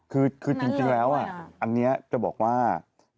คือจริงแล้วอันนี้จะบอกว่า